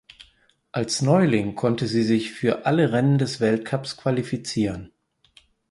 Als Neuling konnte sie sich für alle Rennen des Weltcups qualifizieren.